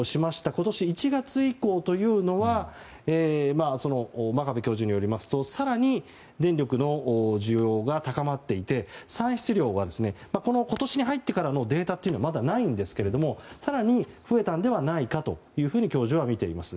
今年１月以降は真壁教授によりますと更に電力の需要が高まっていて、産出量は今年に入ってからのデータはまだないんですけれども更に増えたのではないかと教授はみています。